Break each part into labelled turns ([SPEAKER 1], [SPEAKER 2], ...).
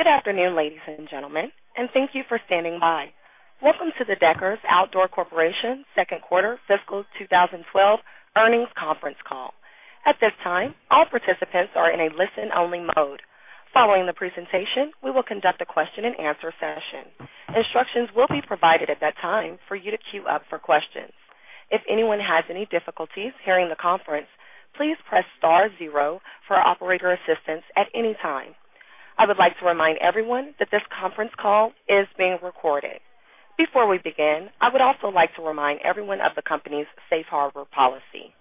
[SPEAKER 1] Good afternoon, ladies and gentlemen, and thank you for standing by. Welcome to the Deckers Outdoor Corporation second quarter fiscal 2012 earnings conference call. At this time, all participants are in a listen-only mode. Following the presentation, we will conduct a question-and-answer session. Instructions will be provided at that time for you to queue up for questions. If anyone has any difficulties hearing the conference, please press star zero for operator assistance at any time. I would like to remind everyone that this conference call is being recorded. Before we begin, I would also like to remind everyone of the company's safe harbor policy.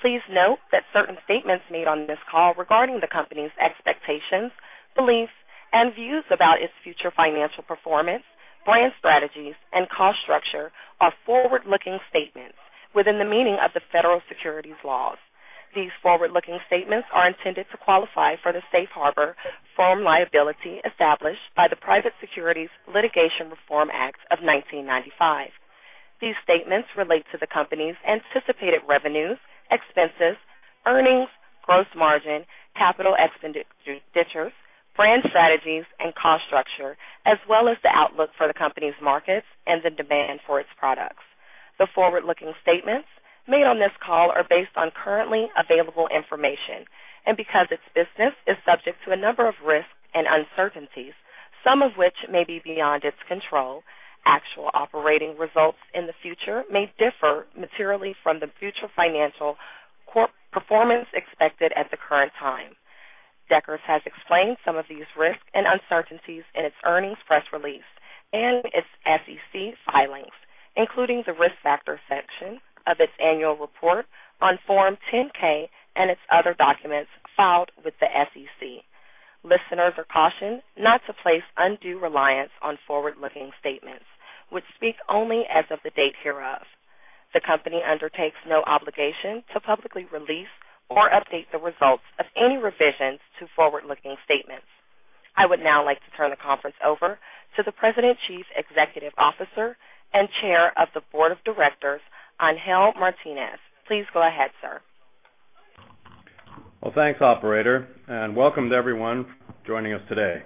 [SPEAKER 1] Please note that certain statements made on this call regarding the company's expectations, beliefs, and views about its future financial performance, brand strategies, and cost structure are forward-looking statements within the meaning of the federal securities laws. These forward-looking statements are intended to qualify for the safe harbor from liability established by the Private Securities Litigation Reform Act of 1995. These statements relate to the company's anticipated revenues, expenses, earnings, gross margin, capital expenditures, brand strategies, and cost structure, as well as the outlook for the company's markets and the demand for its products. The forward-looking statements made on this call are based on currently available information, and because its business is subject to a number of risks and uncertainties, some of which may be beyond its control, actual operating results in the future may differ materially from the future financial performance expected at the current time. Deckers has explained some of these risks and uncertainties in its earnings press release and its SEC filings, including the Risk Factors section of its annual report on Form 10-K and its other documents filed with the SEC. Listeners are cautioned not to place undue reliance on forward-looking statements, which speak only as of the date hereof. The company undertakes no obligation to publicly release or update the results of any revisions to forward-looking statements. I would now like to turn the conference over to the President, Chief Executive Officer, and Chair of the Board of Directors, Angel Martinez. Please go ahead, sir.
[SPEAKER 2] Well, thanks operator, and welcome to everyone joining us today.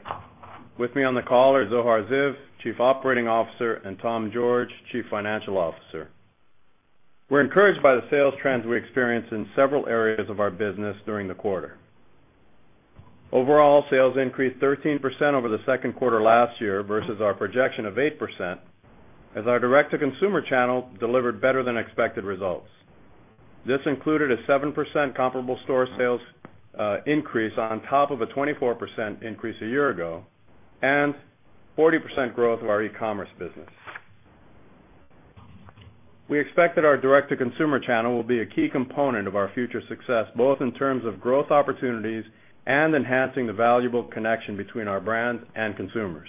[SPEAKER 2] With me on the call are Zohar Ziv, Chief Operating Officer, and Tom George, Chief Financial Officer. We're encouraged by the sales trends we experienced in several areas of our business during the quarter. Overall, sales increased 13% over the second quarter last year versus our projection of 8% as our direct-to-consumer channel delivered better than expected results. This included a 7% comparable store sales increase on top of a 24% increase a year ago and 40% growth of our e-commerce business. We expect that our direct-to-consumer channel will be a key component of our future success, both in terms of growth opportunities and enhancing the valuable connection between our brands and consumers.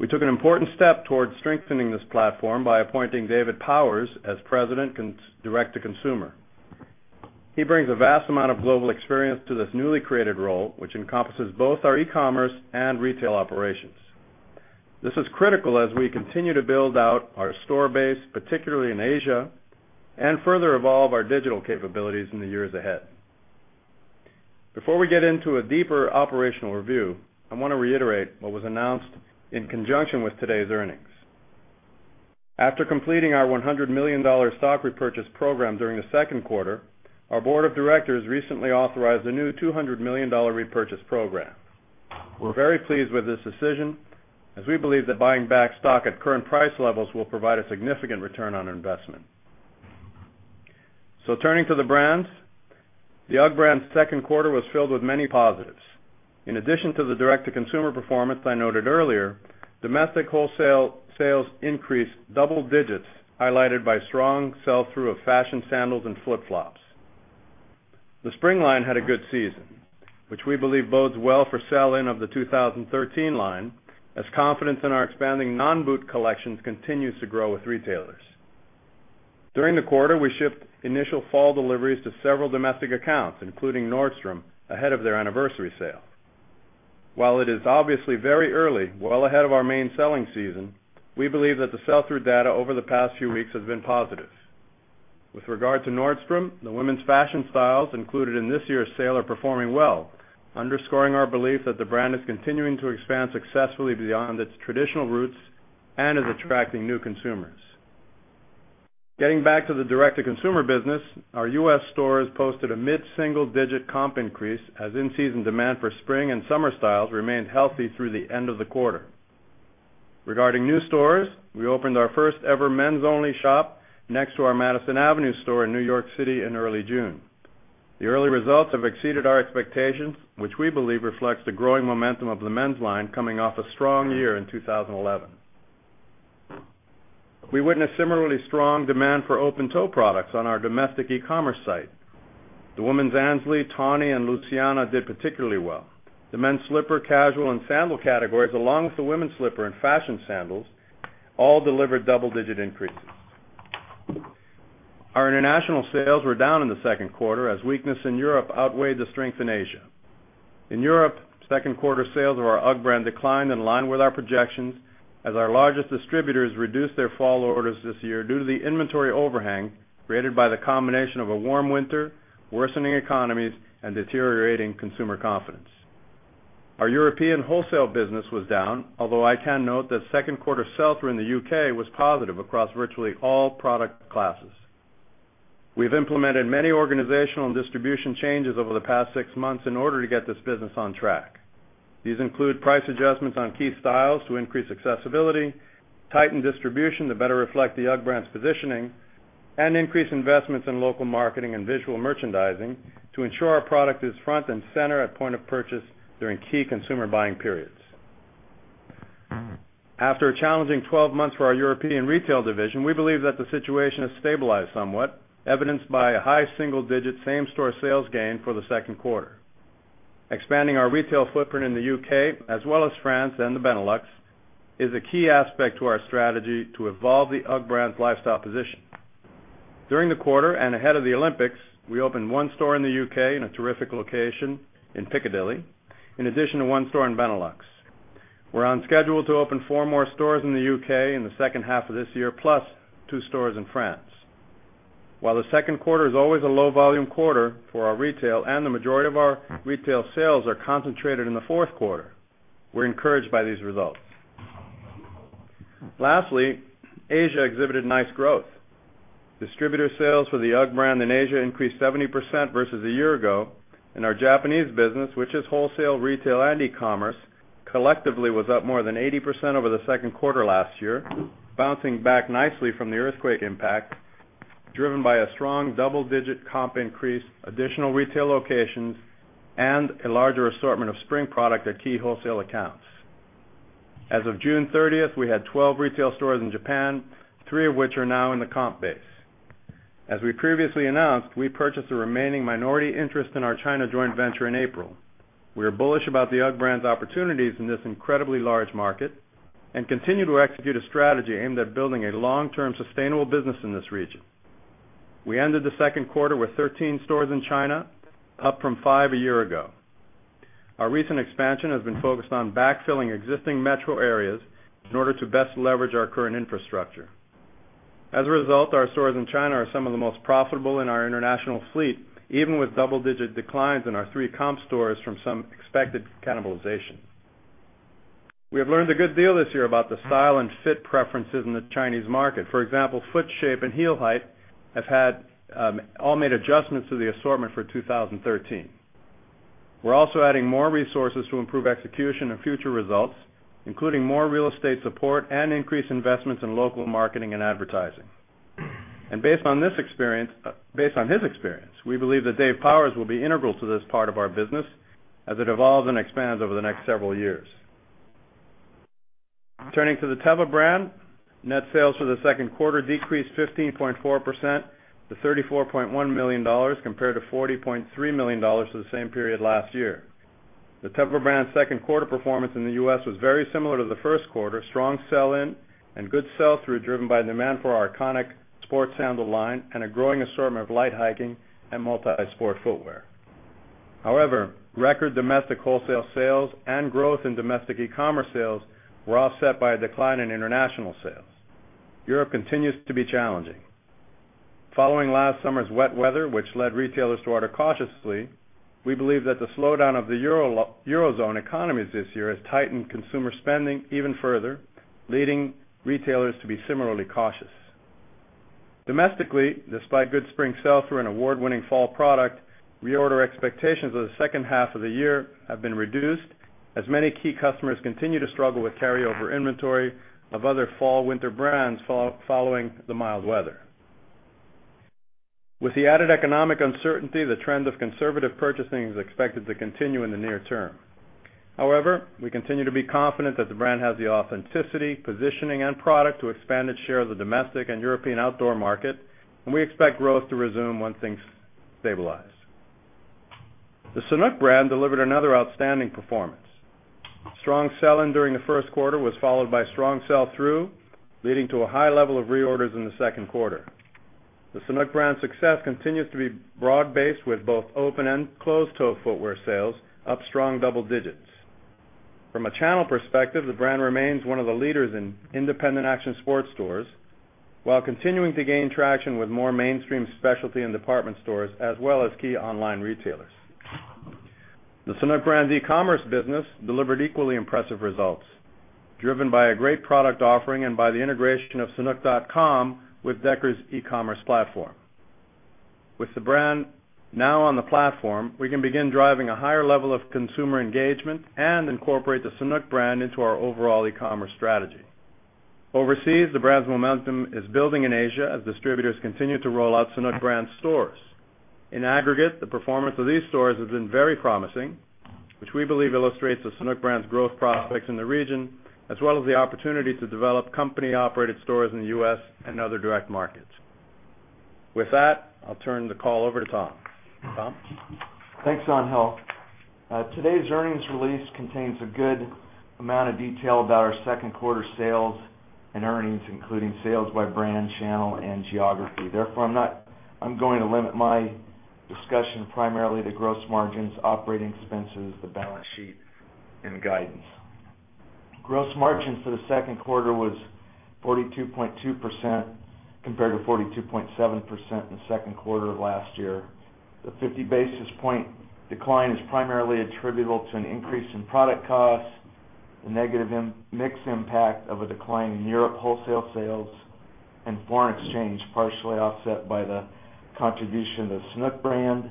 [SPEAKER 2] We took an important step towards strengthening this platform by appointing David Powers as President Direct to Consumer. He brings a vast amount of global experience to this newly created role, which encompasses both our e-commerce and retail operations. This is critical as we continue to build out our store base, particularly in Asia, and further evolve our digital capabilities in the years ahead. Before we get into a deeper operational review, I want to reiterate what was announced in conjunction with today's earnings. After completing our $100 million stock repurchase program during the second quarter, our board of directors recently authorized a new $200 million repurchase program. We're very pleased with this decision, as we believe that buying back stock at current price levels will provide a significant return on investment. Turning to the brands, the UGG brand's second quarter was filled with many positives. In addition to the direct-to-consumer performance I noted earlier, domestic wholesale sales increased double digits, highlighted by strong sell-through of fashion sandals and flip-flops. The spring line had a good season, which we believe bodes well for sell-in of the 2013 line as confidence in our expanding non-boot collections continues to grow with retailers. During the quarter, we shipped initial fall deliveries to several domestic accounts, including Nordstrom, ahead of their anniversary sale. While it is obviously very early, well ahead of our main selling season, we believe that the sell-through data over the past few weeks has been positive. With regard to Nordstrom, the women's fashion styles included in this year's sale are performing well, underscoring our belief that the brand is continuing to expand successfully beyond its traditional roots and is attracting new consumers. Getting back to the direct-to-consumer business, our U.S. stores posted a mid-single-digit comp increase as in-season demand for spring and summer styles remained healthy through the end of the quarter. Regarding new stores, we opened our first ever men's only shop next to our Madison Avenue store in New York City in early June. The early results have exceeded our expectations, which we believe reflects the growing momentum of the men's line coming off a strong year in 2011. We witnessed similarly strong demand for open-toe products on our domestic e-commerce site. The women's Ansley, Tawny, and Luciana did particularly well. The men's slipper, casual, and sandal categories, along with the women's slipper and fashion sandals, all delivered double-digit increases. Our international sales were down in the second quarter as weakness in Europe outweighed the strength in Asia. In Europe, second quarter sales of our UGG brand declined in line with our projections as our largest distributors reduced their fall orders this year due to the inventory overhang created by the combination of a warm winter, worsening economies, and deteriorating consumer confidence. Our European wholesale business was down, although I can note that second quarter sell-through in the U.K. was positive across virtually all product classes. We've implemented many organizational and distribution changes over the past six months in order to get this business on track. These include price adjustments on key styles to increase accessibility, tighten distribution to better reflect the UGG brand's positioning, and increase investments in local marketing and visual merchandising to ensure our product is front and center at point of purchase during key consumer buying periods. After a challenging 12 months for our European retail division, we believe that the situation has stabilized somewhat, evidenced by a high single-digit same-store sales gain for the second quarter. Expanding our retail footprint in the U.K., as well as France and the Benelux, is a key aspect to our strategy to evolve the UGG brand's lifestyle position. During the quarter and ahead of the Olympics, we opened one store in the U.K. in a terrific location in Piccadilly, in addition to one store in Benelux. We're on schedule to open four more stores in the U.K. in the second half of this year, plus two stores in France. While the second quarter is always a low-volume quarter for our retail, and the majority of our retail sales are concentrated in the fourth quarter, we're encouraged by these results. Lastly, Asia exhibited nice growth. Distributor sales for the UGG brand in Asia increased 70% versus a year ago, our Japanese business, which is wholesale, retail, and e-commerce, collectively was up more than 80% over the second quarter last year, bouncing back nicely from the earthquake impact, driven by a strong double-digit comp increase, additional retail locations, and a larger assortment of spring product at key wholesale accounts. As of June 30th, we had 12 retail stores in Japan, three of which are now in the comp base. As we previously announced, we purchased the remaining minority interest in our China joint venture in April. We are bullish about the UGG brand's opportunities in this incredibly large market and continue to execute a strategy aimed at building a long-term sustainable business in this region. We ended the second quarter with 13 stores in China, up from five a year ago. Our recent expansion has been focused on backfilling existing metro areas in order to best leverage our current infrastructure. As a result, our stores in China are some of the most profitable in our international fleet, even with double-digit declines in our three comp stores from some expected cannibalization. We have learned a good deal this year about the style and fit preferences in the Chinese market. For example, foot shape and heel height have had all made adjustments to the assortment for 2013. We're also adding more resources to improve execution and future results, including more real estate support and increased investments in local marketing and advertising. Based on his experience, we believe that Dave Powers will be integral to this part of our business as it evolves and expands over the next several years. Turning to the Teva brand, net sales for the second quarter decreased 15.4% to $34.1 million, compared to $40.3 million for the same period last year. The Teva brand's second quarter performance in the U.S. was very similar to the first quarter, strong sell-in and good sell-through, driven by demand for our iconic sports sandal line and a growing assortment of light hiking and multi-sport footwear. Record domestic wholesale sales and growth in domestic e-commerce sales were offset by a decline in international sales. Europe continues to be challenging. Following last summer's wet weather, which led retailers to order cautiously, we believe that the slowdown of the Eurozone economies this year has tightened consumer spending even further, leading retailers to be similarly cautious. Domestically, despite good spring sell-through and award-winning fall product, reorder expectations for the second half of the year have been reduced as many key customers continue to struggle with carryover inventory of other fall/winter brands following the mild weather. With the added economic uncertainty, the trend of conservative purchasing is expected to continue in the near term. We continue to be confident that the brand has the authenticity, positioning, and product to expand its share of the domestic and European outdoor market, and we expect growth to resume once things stabilize. The Sanuk brand delivered another outstanding performance. Strong sell-in during the first quarter was followed by strong sell-through, leading to a high level of reorders in the second quarter. The Sanuk brand's success continues to be broad-based, with both open and closed-toe footwear sales up strong double digits. From a channel perspective, the brand remains one of the leaders in independent action sports stores, while continuing to gain traction with more mainstream specialty and department stores, as well as key online retailers. The Sanuk brand's e-commerce business delivered equally impressive results, driven by a great product offering and by the integration of sanuk.com with Deckers' e-commerce platform. With the brand now on the platform, we can begin driving a higher level of consumer engagement and incorporate the Sanuk brand into our overall e-commerce strategy. Overseas, the brand's momentum is building in Asia as distributors continue to roll out Sanuk brand stores. In aggregate, the performance of these stores has been very promising, which we believe illustrates the Sanuk brand's growth prospects in the region, as well as the opportunity to develop company-operated stores in the U.S. and other direct markets. With that, I'll turn the call over to Tom. Tom?
[SPEAKER 3] Thanks, Angel. Today's earnings release contains a good amount of detail about our second quarter sales and earnings, including sales by brand, channel, and geography. I'm going to limit my discussion primarily to gross margins, operating expenses, the balance sheet, and guidance. Gross margin for the second quarter was 42.2% compared to 42.7% in the second quarter of last year. The 50-basis point decline is primarily attributable to an increase in product costs, the negative mix impact of a decline in Europe wholesale sales, and foreign exchange, partially offset by the contribution of the Sanuk brand,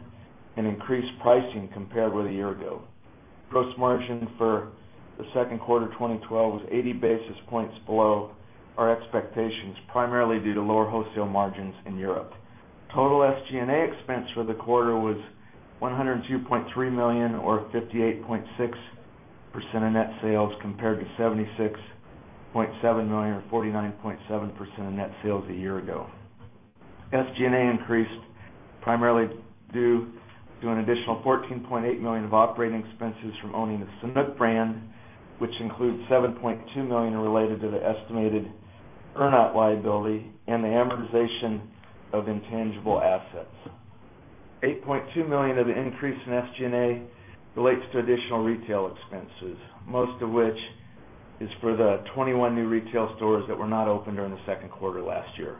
[SPEAKER 3] and increased pricing compared with a year ago. Gross margin for the second quarter 2012 was 80 basis points below our expectations, primarily due to lower wholesale margins in Europe. Total SG&A expense for the quarter was $102.3 million or 58.6% of net sales, compared to $76.7 million or 49.7% of net sales a year ago. SG&A increased primarily due to an additional $14.8 million of operating expenses from owning the Sanuk brand, which includes $7.2 million related to the estimated earn-out liability and the amortization of intangible assets. $8.2 million of the increase in SG&A relates to additional retail expenses, most of which is for the 21 new retail stores that were not open during the second quarter last year.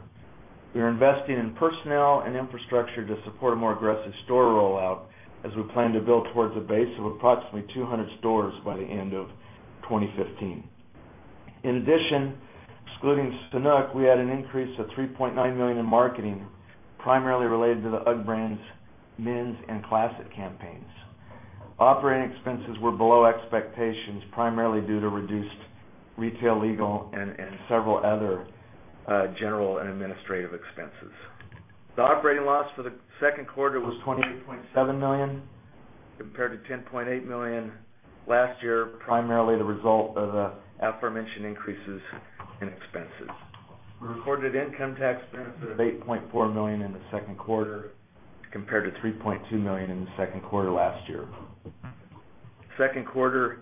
[SPEAKER 3] We are investing in personnel and infrastructure to support a more aggressive store rollout as we plan to build towards a base of approximately 200 stores by the end of 2015. In addition, excluding Sanuk, we had an increase of $3.9 million in marketing, primarily related to the UGG brand's men's and classic campaigns. Operating expenses were below expectations, primarily due to reduced retail, legal, and several other general and administrative expenses. The operating loss for the second quarter was $28.7 million compared to $10.8 million last year, primarily the result of the aforementioned increases in expenses. We recorded income tax benefit of $8.4 million in the second quarter compared to $3.2 million in the second quarter last year. Second quarter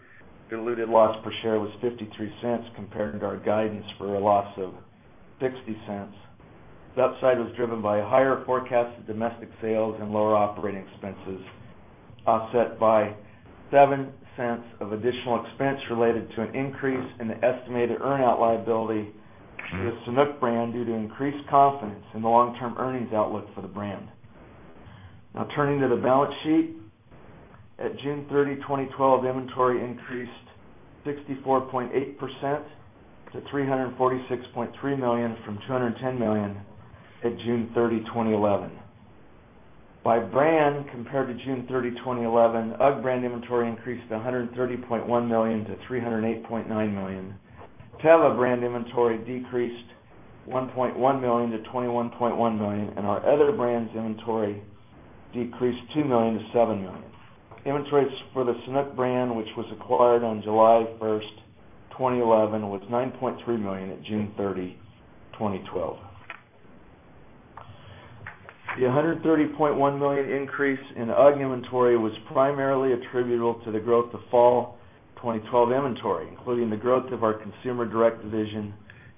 [SPEAKER 3] diluted loss per share was $0.53, compared to our guidance for a loss of $0.60. The upside was driven by a higher forecast of domestic sales and lower operating expenses, offset by $0.07 of additional expense related to an increase in the estimated earn-out liability for the Sanuk brand due to increased confidence in the long-term earnings outlook for the brand. Turning to the balance sheet. At June 30, 2012, inventory increased 64.8% to $346.3 million from $210 million at June 30, 2011. By brand, compared to June 30, 2011, UGG brand inventory increased $130.1 million to $308.9 million. Teva brand inventory decreased $1.1 million to $21.1 million, and our other brands' inventory decreased $2 million to $7 million. Inventories for the Sanuk brand, which was acquired on July 1st, 2011, was $9.3 million at June 30, 2012. The $130.1 million increase in UGG inventory was primarily attributable to the growth of fall 2012 inventory, including the growth of our consumer direct division,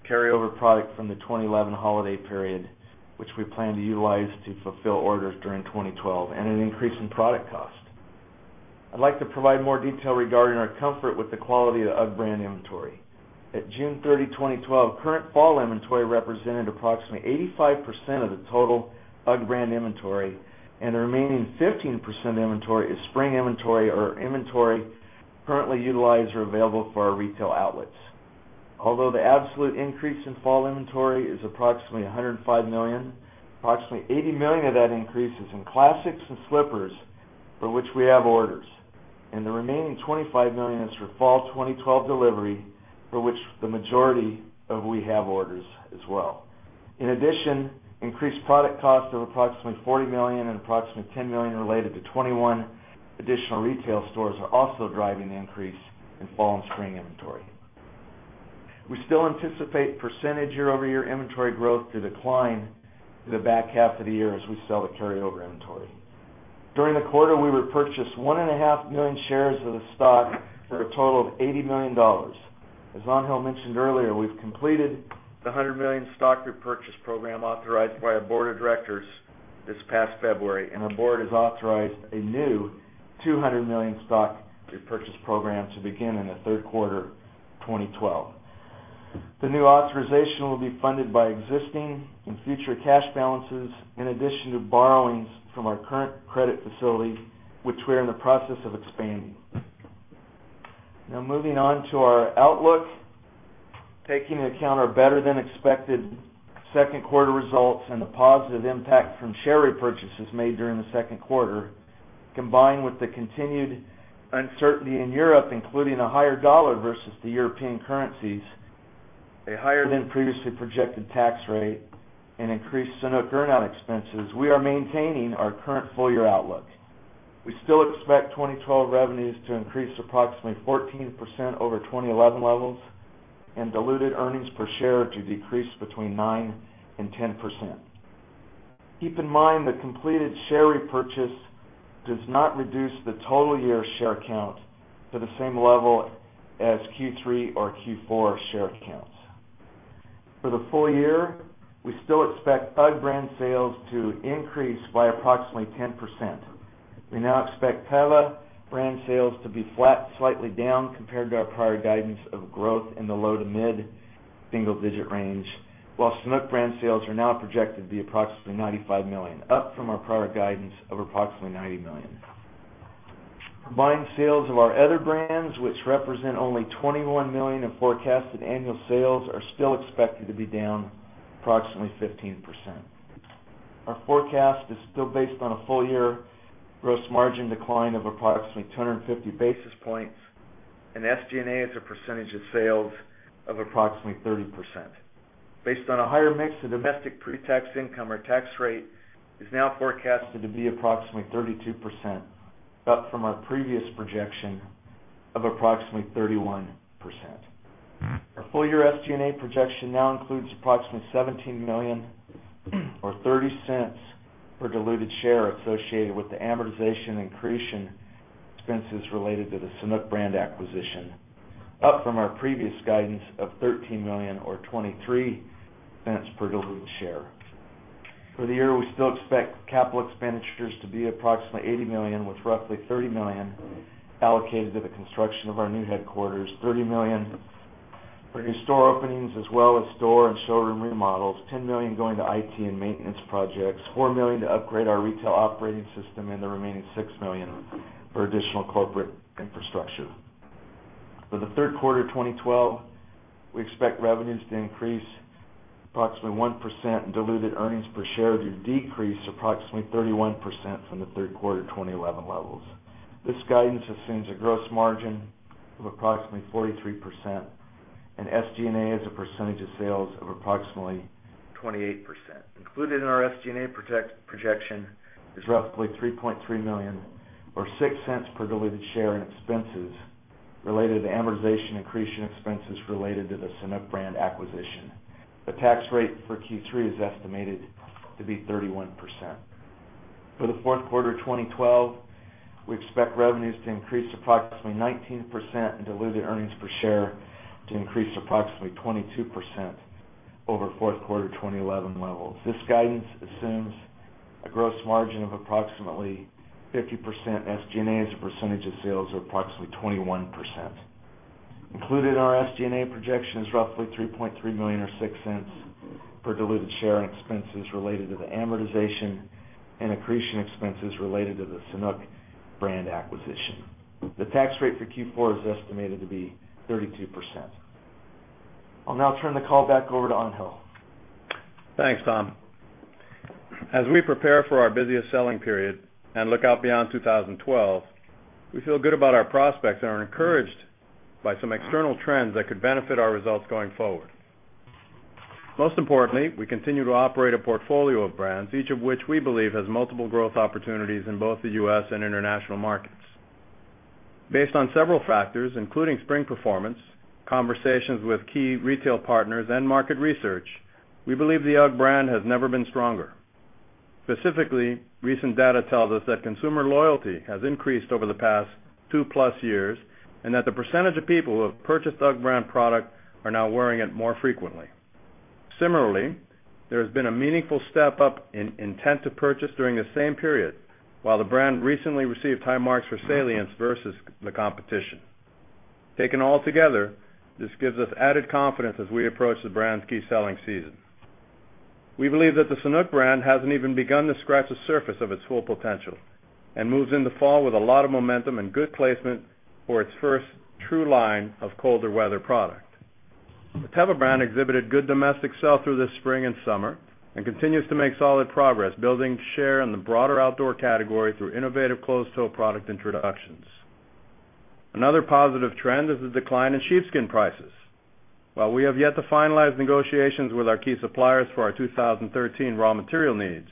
[SPEAKER 3] carryover product from the 2011 holiday period, which we plan to utilize to fulfill orders during 2012, and an increase in product cost. I'd like to provide more detail regarding our comfort with the quality of UGG brand inventory. At June 30, 2012, current fall inventory represented approximately 85% of the total UGG brand inventory, and the remaining 15% inventory is spring inventory or inventory currently utilized or available for our retail outlets. Although the absolute increase in fall inventory is approximately $105 million, approximately $80 million of that increase is in classics and slippers for which we have orders, and the remaining $25 million is for fall 2012 delivery, for which the majority of we have orders as well. In addition, increased product cost of approximately $40 million and approximately $10 million related to 21 additional retail stores are also driving the increase in fall and spring inventory. We still anticipate percentage year-over-year inventory growth to decline through the back half of the year as we sell the carryover inventory. During the quarter, we repurchased one and a half million shares of the stock for a total of $80 million. As Angel mentioned earlier, we've completed the $100 million stock repurchase program authorized by our board of directors this past February, and our board has authorized a new $200 million stock repurchase program to begin in the third quarter 2012. The new authorization will be funded by existing and future cash balances, in addition to borrowings from our current credit facility, which we are in the process of expanding. Now moving on to our outlook. Taking into account our better-than-expected second quarter results and the positive impact from share repurchases made during the second quarter, combined with the continued uncertainty in Europe, including a higher dollar versus the European currencies, a higher-than-previously projected tax rate, and increased Sanuk earn-out expenses, we are maintaining our current full-year outlook. We still expect 2012 revenues to increase approximately 14% over 2011 levels and diluted earnings per share to decrease between 9% and 10%. Keep in mind that completed share repurchase does not reduce the total year share count to the same level as Q3 or Q4 share counts. For the full year, we still expect UGG brand sales to increase by approximately 10%. We now expect Teva brand sales to be flat, slightly down, compared to our prior guidance of growth in the low to mid-single digit range, while Sanuk brand sales are now projected to be approximately $95 million, up from our prior guidance of approximately $90 million. Combined sales of our other brands, which represent only $21 million of forecasted annual sales, are still expected to be down approximately 15%. Our forecast is still based on a full-year gross margin decline of approximately 250 basis points and SG&A as a percentage of sales of approximately 30%. Based on a higher mix of domestic pre-tax income, our tax rate is now forecasted to be approximately 32%, up from our previous projection of approximately 31%. Our full-year SG&A projection now includes approximately $17 million or $0.30 per diluted share associated with the amortization and accretion expenses related to the Sanuk brand acquisition, up from our previous guidance of $13 million or $0.23 per diluted share. For the year, we still expect capital expenditures to be approximately $80 million, with roughly $30 million allocated to the construction of our new headquarters, $30 million for new store openings as well as store and showroom remodels, $10 million going to IT and maintenance projects, $4 million to upgrade our retail operating system, and the remaining $6 million for additional corporate infrastructure. For the third quarter of 2012, we expect revenues to increase approximately 1% and diluted earnings per share to decrease approximately 31% from the third quarter 2011 levels. This guidance assumes a gross margin of approximately 43% and SG&A as a percentage of sales of approximately 28%. Included in our SG&A projection is roughly $3.3 million or $0.06 per diluted share in expenses related to amortization and accretion expenses related to the Sanuk brand acquisition. The tax rate for Q3 is estimated to be 31%. For the fourth quarter 2012, we expect revenues to increase approximately 19% and diluted earnings per share to increase approximately 22% over fourth quarter 2011 levels. This guidance assumes a gross margin of approximately 50% and SG&A as a percentage of sales of approximately 21%. Included in our SG&A projection is roughly $3.3 million or $0.06 per diluted share in expenses related to the amortization and accretion expenses related to the Sanuk brand acquisition. The tax rate for Q4 is estimated to be 32%. I'll now turn the call back over to Angel.
[SPEAKER 2] Thanks, Tom. As we prepare for our busiest selling period and look out beyond 2012, we feel good about our prospects and are encouraged by some external trends that could benefit our results going forward. Most importantly, we continue to operate a portfolio of brands, each of which we believe has multiple growth opportunities in both the U.S. and international markets. Based on several factors, including spring performance, conversations with key retail partners, and market research, we believe the UGG brand has never been stronger. Specifically, recent data tells us that consumer loyalty has increased over the past two-plus years, and that the percentage of people who have purchased UGG brand product are now wearing it more frequently. Similarly, there has been a meaningful step up in intent to purchase during the same period, while the brand recently received high marks for salience versus the competition. Taken all together, this gives us added confidence as we approach the brand's key selling season. We believe that the Sanuk brand hasn't even begun to scratch the surface of its full potential and moves into fall with a lot of momentum and good placement for its first true line of colder weather product. The Teva brand exhibited good domestic sell-through this spring and summer and continues to make solid progress building share in the broader outdoor category through innovative closed-toe product introductions. Another positive trend is the decline in sheepskin prices. While we have yet to finalize negotiations with our key suppliers for our 2013 raw material needs,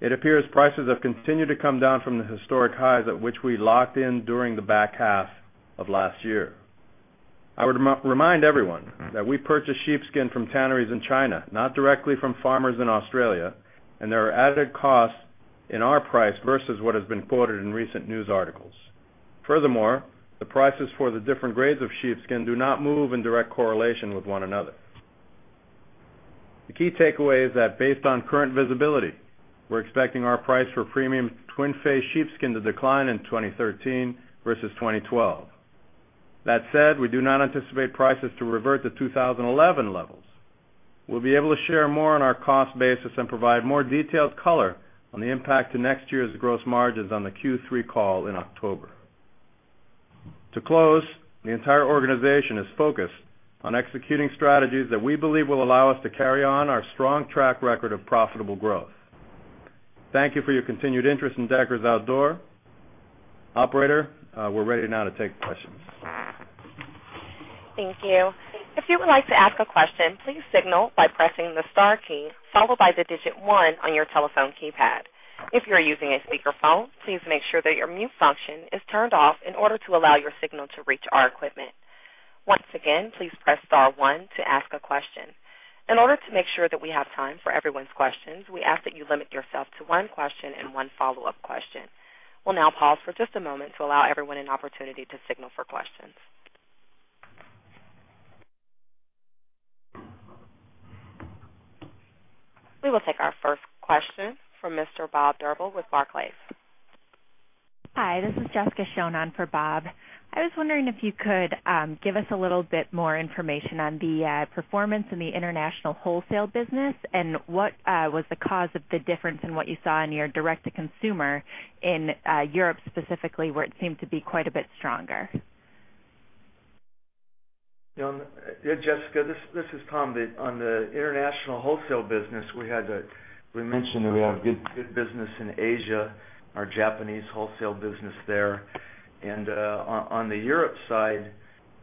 [SPEAKER 2] it appears prices have continued to come down from the historic highs at which we locked in during the back half of last year. I would remind everyone that we purchase sheepskin from tanneries in China, not directly from farmers in Australia, and there are added costs in our price versus what has been quoted in recent news articles. Furthermore, the prices for the different grades of sheepskin do not move in direct correlation with one another. The key takeaway is that based on current visibility, we're expecting our price for premium Twinface sheepskin to decline in 2013 versus 2012. That said, we do not anticipate prices to revert to 2011 levels. We'll be able to share more on our cost basis and provide more detailed color on the impact to next year's gross margins on the Q3 call in October. To close, the entire organization is focused on executing strategies that we believe will allow us to carry on our strong track record of profitable growth. Thank you for your continued interest in Deckers Outdoor. Operator, we're ready now to take questions.
[SPEAKER 1] Thank you. If you would like to ask a question, please signal by pressing the star key followed by the digit one on your telephone keypad. If you are using a speakerphone, please make sure that your mute function is turned off in order to allow your signal to reach our equipment. Once again, please press star one to ask a question. In order to make sure that we have time for everyone's questions, we ask that you limit yourself to one question and one follow-up question. We'll now pause for just a moment to allow everyone an opportunity to signal for questions. We will take our first question from Mr. Bob Drbul with Barclays.
[SPEAKER 4] Hi, this is Jessica Schoen on for Bob. I was wondering if you could give us a little bit more information on the performance in the international wholesale business, and what was the cause of the difference in what you saw in your direct-to-consumer in Europe specifically, where it seemed to be quite a bit stronger.
[SPEAKER 3] Yeah, Jessica, this is Tom. On the international wholesale business, we mentioned that we have good business in Asia, our Japanese wholesale business there. On the Europe side,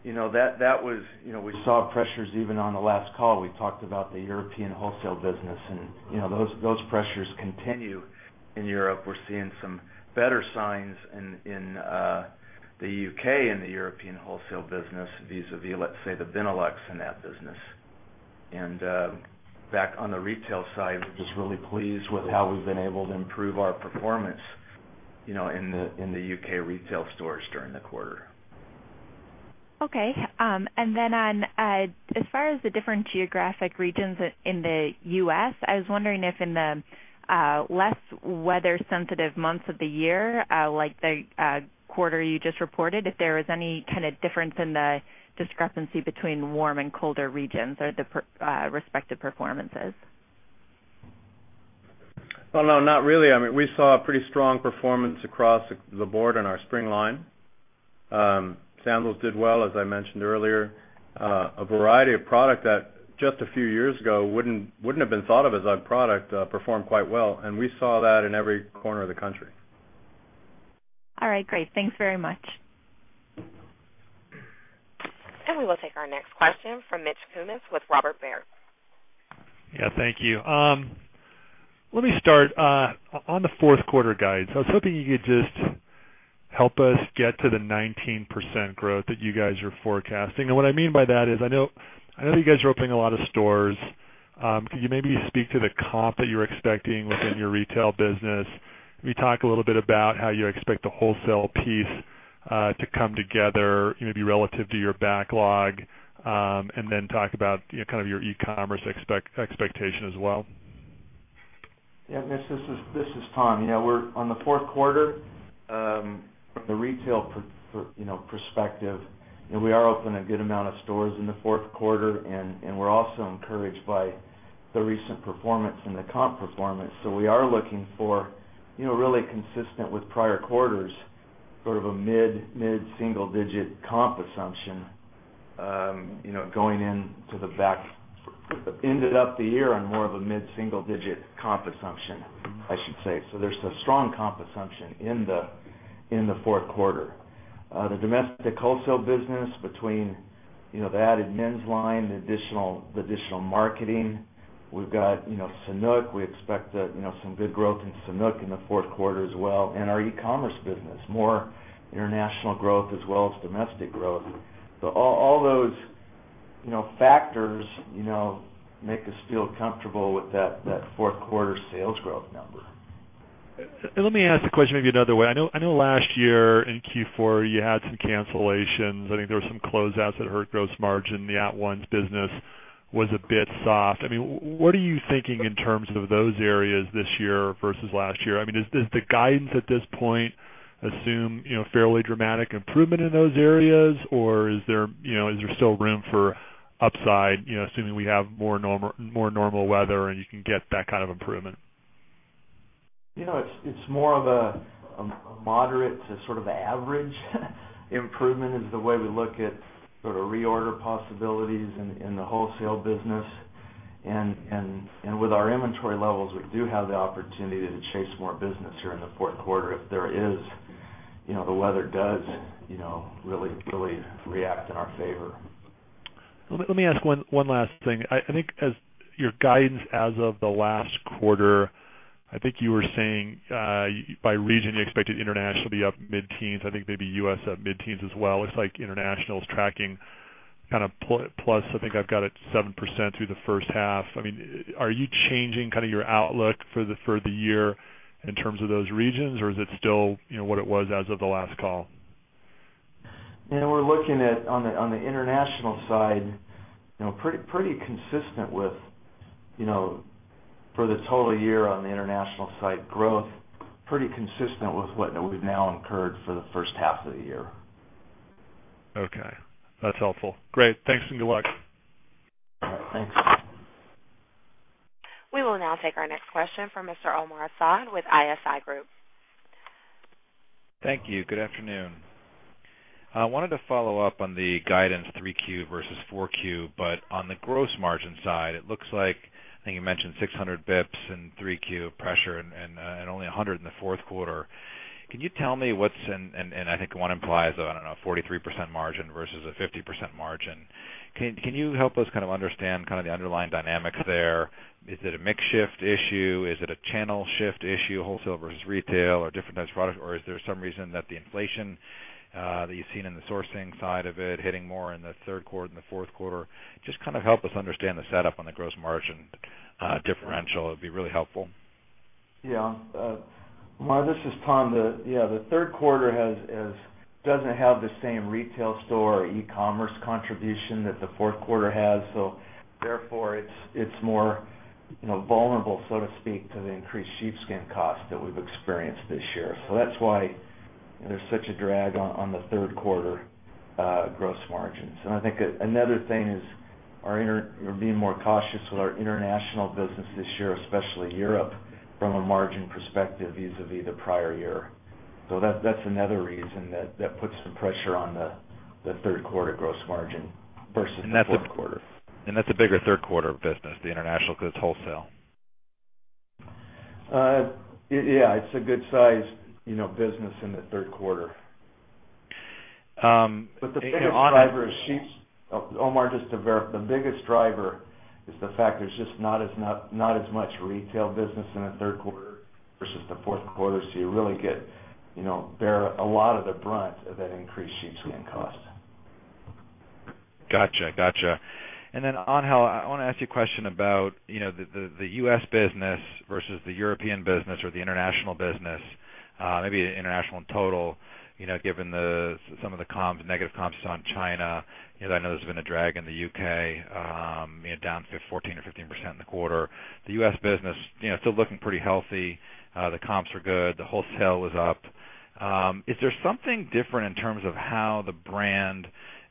[SPEAKER 3] we saw pressures even on the last call. We talked about the European wholesale business, and those pressures continue in Europe. We're seeing some better signs in the U.K. in the European wholesale business vis-a-vis, let's say, the Benelux in that business. Back on the retail side, we're just really pleased with how we've been able to improve our performance in the U.K. retail stores during the quarter.
[SPEAKER 4] Okay. Then as far as the different geographic regions in the U.S., I was wondering if in the less weather-sensitive months of the year, like the quarter you just reported, if there was any kind of difference in the discrepancy between warm and colder regions or the respective performances.
[SPEAKER 3] Well, no, not really. We saw a pretty strong performance across the board on our spring line. Sandals did well, as I mentioned earlier. A variety of product that just a few years ago wouldn't have been thought of as a product performed quite well, and we saw that in every corner of the country.
[SPEAKER 4] All right, great. Thanks very much.
[SPEAKER 1] We will take our next question from Mitch Kummetz with Robert Baird.
[SPEAKER 5] Yeah, thank you. Let me start on the fourth quarter guide. I was hoping you could just help us get to the 19% growth that you guys are forecasting. What I mean by that is, I know you guys are opening a lot of stores. Could you maybe speak to the comp that you're expecting within your retail business? Can you talk a little bit about how you expect the wholesale piece to come together, maybe relative to your backlog? Talk about your e-commerce expectation as well.
[SPEAKER 3] Yeah, Mitch, this is Tom. On the fourth quarter, from the retail perspective, we are opening a good amount of stores in the fourth quarter, we're also encouraged by the recent performance and the comp performance. We are looking for, really consistent with prior quarters, sort of a mid-single digit comp assumption, ended up the year on more of a mid-single digit comp assumption, I should say. There's a strong comp assumption in the fourth quarter. The domestic wholesale business between the added men's line, the additional marketing. We've got Sanuk. We expect some good growth in Sanuk in the fourth quarter as well. Our e-commerce business, more international growth as well as domestic growth. All those factors make us feel comfortable with that fourth quarter sales growth number.
[SPEAKER 5] Let me ask the question maybe another way. I know last year in Q4, you had some cancellations. I think there were some closeouts that hurt gross margin. The at-once business was a bit soft. What are you thinking in terms of those areas this year versus last year? Does the guidance at this point assume fairly dramatic improvement in those areas, or is there still room for upside, assuming we have more normal weather and you can get that kind of improvement?
[SPEAKER 3] It's more of a moderate to sort of average improvement is the way we look at sort of reorder possibilities in the wholesale business. With our inventory levels, we do have the opportunity to chase more business here in the fourth quarter if the weather does really react in our favor.
[SPEAKER 5] Let me ask one last thing. I think as your guidance as of the last quarter, I think you were saying by region, you expected international to be up mid-teens. I think maybe U.S. up mid-teens as well. It's like international is tracking kind of plus, I think I've got it 7% through the first half. Are you changing your outlook for the year in terms of those regions, or is it still what it was as of the last call?
[SPEAKER 3] We're looking at, on the international side, pretty consistent with for the total year on the international side growth, pretty consistent with what we've now incurred for the first half of the year.
[SPEAKER 5] Okay. That's helpful. Great. Thanks and good luck.
[SPEAKER 3] All right. Thanks.
[SPEAKER 1] We will now take our next question from Mr. Omar Saad with ISI Group.
[SPEAKER 6] Thank you. Good afternoon. I wanted to follow up on the guidance 3Q versus 4Q, but on the gross margin side, it looks like, I think you mentioned 600 basis points in 3Q pressure and only 100 basis points in the fourth quarter. I think one implies, I don't know, 43% margin versus a 50% margin. Can you help us kind of understand the underlying dynamics there? Is it a mix shift issue? Is it a channel shift issue, wholesale versus retail or different types of product? Is there some reason that the inflation that you've seen in the sourcing side of it hitting more in the third quarter and the fourth quarter? Just kind of help us understand the setup on the gross margin differential. It would be really helpful.
[SPEAKER 3] Omar, this is Tom. The third quarter doesn't have the same retail store or e-commerce contribution that the fourth quarter has. Therefore, it's more vulnerable, so to speak, to the increased sheepskin cost that we've experienced this year. That's why there's such a drag on the third quarter gross margins. I think another thing is we're being more cautious with our international business this year, especially Europe, from a margin perspective vis-a-vis the prior year. That's another reason that puts some pressure on the third quarter gross margin versus the fourth quarter.
[SPEAKER 6] That's a bigger third quarter business, the international, because it's wholesale.
[SPEAKER 3] Yeah, it's a good size business in the third quarter. The biggest driver is, Omar, just to verify, the biggest driver is the fact there's just not as much retail business in the third quarter versus the fourth quarter, so you really bear a lot of the brunt of that increased sheepskin cost.
[SPEAKER 6] Got you. Angel, I want to ask you a question about the U.S. business versus the European business or the international business, maybe international in total, given some of the negative comps on China. I know there's been a drag in the U.K., down 14% or 15% in the quarter. The U.S. business, still looking pretty healthy. The comps were good. The wholesale was up. Is there something different in terms of how the brand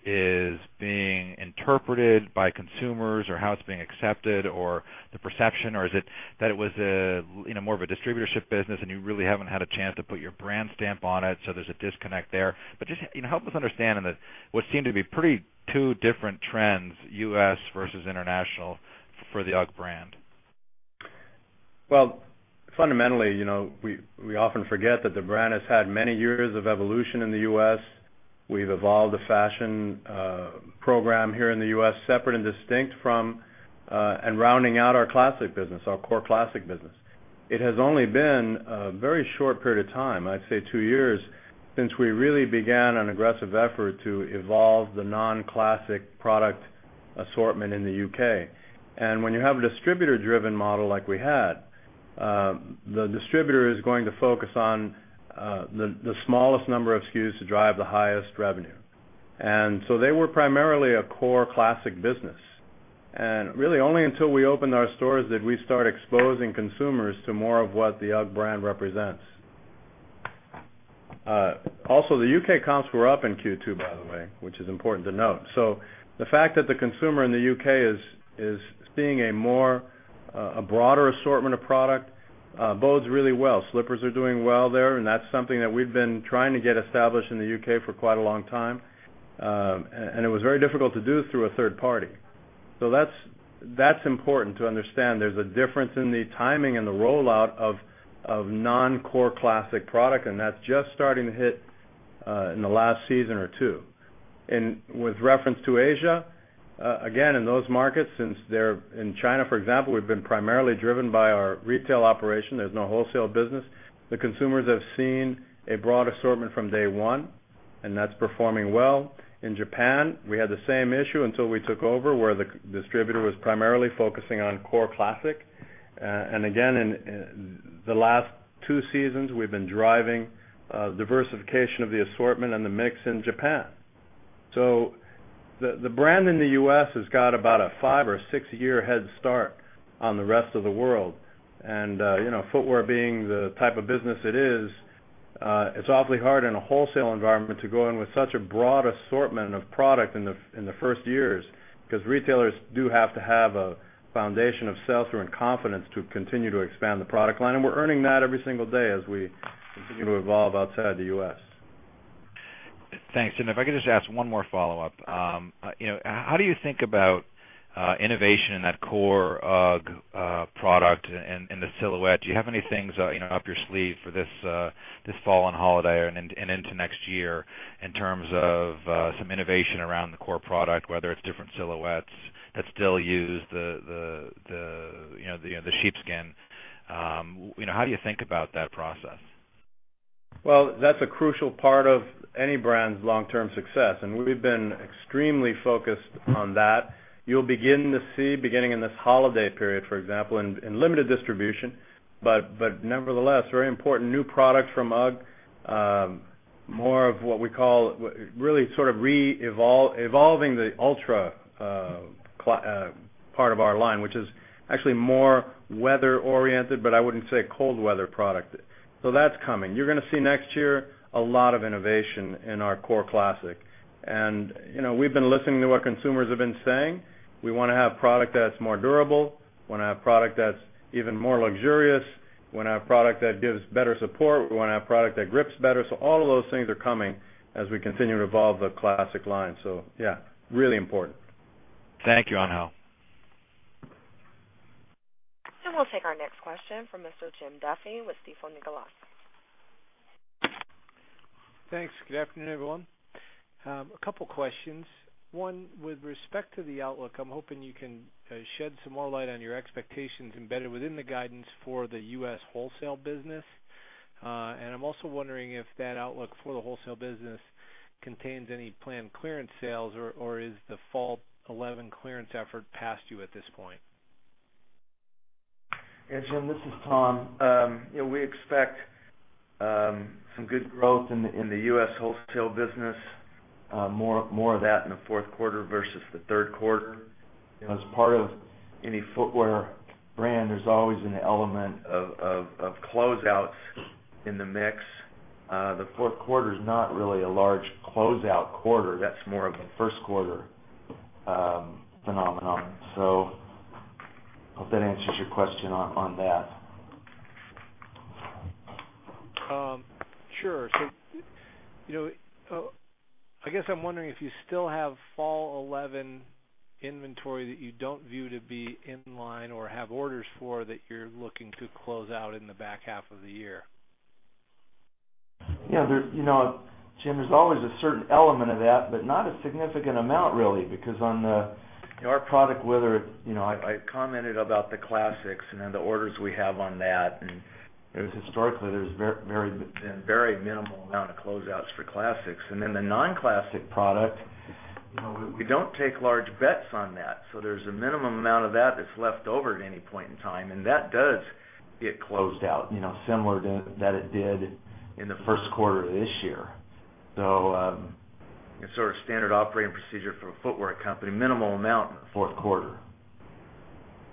[SPEAKER 6] is being interpreted by consumers or how it's being accepted or the perception? Or is it that it was more of a distributorship business and you really haven't had a chance to put your brand stamp on it, so there's a disconnect there? Just help us understand what seem to be pretty two different trends, U.S. versus international, for the UGG brand.
[SPEAKER 2] Well, fundamentally, we often forget that the brand has had many years of evolution in the U.S. We've evolved a fashion program here in the U.S. separate and distinct from and rounding out our classic business, our core classic business. It has only been a very short period of time, I'd say two years, since we really began an aggressive effort to evolve the non-classic product assortment in the U.K. When you have a distributor-driven model like we had, the distributor is going to focus on the smallest number of SKUs to drive the highest revenue. They were primarily a core classic business. Really only until we opened our stores did we start exposing consumers to more of what the UGG brand represents. Also, the U.K. comps were up in Q2, by the way, which is important to note. The fact that the consumer in the U.K. is seeing a broader assortment of product bodes really well. Slippers are doing well there, and that's something that we've been trying to get established in the U.K. for quite a long time. It was very difficult to do through a third party. That's important to understand. There's a difference in the timing and the rollout of non-core classic product, and that's just starting to hit in the last season or two. With reference to Asia, again, in those markets, since they're in China, for example, we've been primarily driven by our retail operation. There's no wholesale business. The consumers have seen a broad assortment from day one, and that's performing well. In Japan, we had the same issue until we took over, where the distributor was primarily focusing on core classic. In the last two seasons, we've been driving diversification of the assortment and the mix in Japan. The brand in the U.S. has got about a five or a six-year head start on the rest of the world. Footwear being the type of business it is, it's awfully hard in a wholesale environment to go in with such a broad assortment of product in the first years because retailers do have to have a foundation of sell-through and confidence to continue to expand the product line. We're earning that every single day as we continue to evolve outside the U.S.
[SPEAKER 6] Thanks. If I could just ask one more follow-up. How do you think about innovation in that core UGG product and the silhouette? Do you have any things up your sleeve for this fall and holiday and into next year in terms of some innovation around the core product, whether it's different silhouettes that still use the sheepskin? How do you think about that process?
[SPEAKER 2] Well, that's a crucial part of any brand's long-term success, and we've been extremely focused on that. You'll begin to see, beginning in this holiday period, for example, in limited distribution, but nevertheless, very important new product from UGG, more of what we call really sort of evolving the ultra part of our line, which is actually more weather-oriented, but I wouldn't say cold weather product. That's coming. You're going to see next year a lot of innovation in our core classic. We've been listening to what consumers have been saying. We want to have product that's more durable. We want to have product that's even more luxurious. We want to have product that gives better support. We want to have product that grips better. All of those things are coming as we continue to evolve the classic line. Yeah, really important.
[SPEAKER 6] Thank you, Angel.
[SPEAKER 1] We'll take our next question from Mr. Jim Duffy with Stifel, Nicolaus.
[SPEAKER 7] Thanks. Good afternoon, everyone. A couple questions. One, with respect to the outlook, I'm hoping you can shed some more light on your expectations embedded within the guidance for the U.S. wholesale business. I'm also wondering if that outlook for the wholesale business contains any planned clearance sales, or is the fall 2011 clearance effort past you at this point?
[SPEAKER 3] Jim, this is Tom. We expect some good growth in the U.S. wholesale business, more of that in the fourth quarter versus the third quarter. As part of any footwear brand, there's always an element of closeouts in the mix. The fourth quarter's not really a large closeout quarter. That's more of a first quarter phenomenon. I hope that answers your question on that.
[SPEAKER 7] Sure. I guess I'm wondering if you still have fall 2011 inventory that you don't view to be in line or have orders for, that you're looking to close out in the back half of the year.
[SPEAKER 3] Jim, there's always a certain element of that, but not a significant amount, really. On our product weather, I commented about the classics and the orders we have on that, historically, there's been very minimal amount of closeouts for classics. The non-classic product, we don't take large bets on that. There's a minimum amount of that's left over at any point in time, that does get closed out, similar to that it did in the first quarter of this year. It's sort of standard operating procedure for a footwear company, minimal amount in the fourth quarter.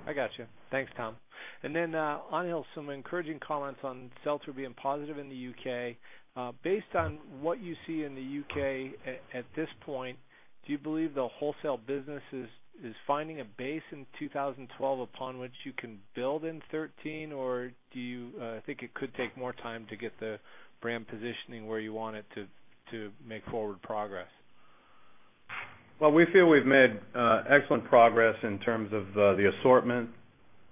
[SPEAKER 7] I got you. Thanks, Tom. Angel, some encouraging comments on sell-through being positive in the U.K. Based on what you see in the U.K. at this point, do you believe the wholesale business is finding a base in 2012 upon which you can build in 2013? Do you think it could take more time to get the brand positioning where you want it to make forward progress?
[SPEAKER 2] Well, we feel we've made excellent progress in terms of the assortment